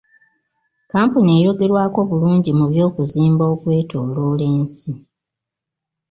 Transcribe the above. Kkampuni eyogerwako bulungi mu by'okuzimba okwetooloola ensi.